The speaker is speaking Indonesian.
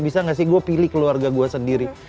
bisa gak sih gue pilih keluarga gue sendiri